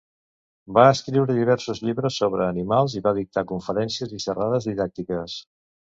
Va escriure diversos llibres sobre animals i va dictar conferències i xerrades didàctiques.